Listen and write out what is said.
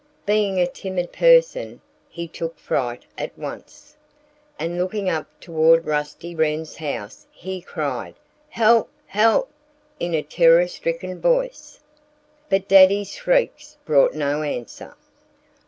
Being a timid person, he took fright at once. And looking up toward Rusty Wren's house he cried, "Help! help!" in a terror stricken voice. But Daddy's shrieks brought no answer.